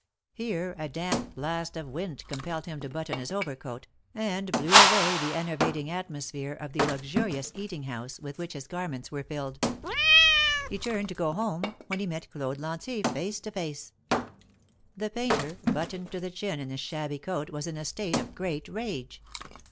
Here a damp blast of wind compelled him to button his overcoat, and blew away the enervating atmosphere of the luxurious eating house with which his garments were filled. He turned to go home, when he met Claude Lantier face to face. The painter, buttoned to the chin in his shabby coat, was in a state of great rage.